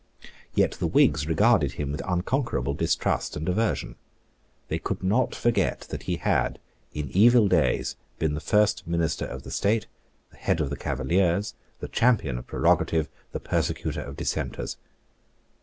Yet the Whigs regarded him with unconquerable distrust and aversion. They could not forget that he had, in evil days, been the first minister of the state, the head of the Cavaliers, the champion of prerogative, the persecutor of dissenters.